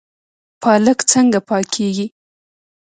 پالک څنګه پاکیږي؟